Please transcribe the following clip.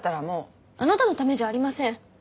あなたのためじゃありません。